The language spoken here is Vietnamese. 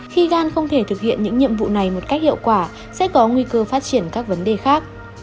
khi gan không thể thực hiện những nhiệm vụ này một cách hiệu quả sẽ có nguy cơ phát triển các vấn đề khác